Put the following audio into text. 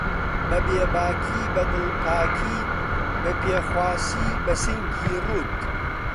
بەبێ باکی، بەدڵپاکی، بەپێخواسی بەسینگی ڕووت